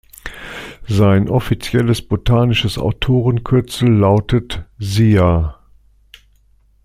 Sein offizielles botanisches Autorenkürzel lautet „Zea“.